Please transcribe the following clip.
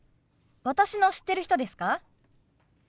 私の知ってる人ですか？